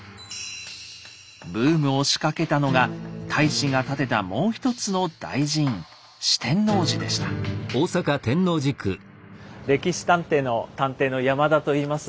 ブームを仕掛けたのが太子が建てたもう一つの大寺院「歴史探偵」の探偵の山田といいます。